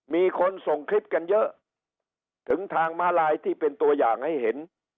มีคนส่งคลิปกันเยอะถึงทางม้าลายที่เป็นตัวอย่างให้เห็น